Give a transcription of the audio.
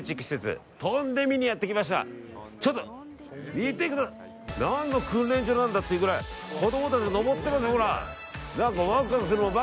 見てください、何の訓練所なんだというぐらい子供たちが登ってますね、ほら。